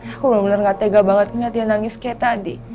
aku bener bener gak tega banget ngeliat dia nangis kayak tadi